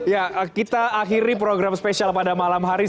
ya kita akhiri program spesial pada malam hari